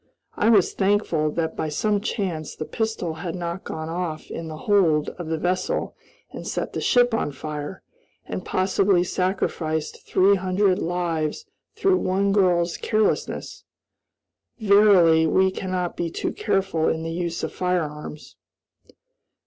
I was thankful that by some chance the pistol had not gone off in the hold of the vessel and set the ship on fire, and possibly sacrificed three hundred lives through one girl's carelessness. Verily we cannot be too careful in the use of firearms.